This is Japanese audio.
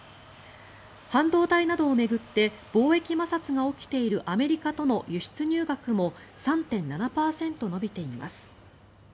半導体などを巡って貿易摩擦が起きているアメリカとの輸出入額も３．７％伸びています。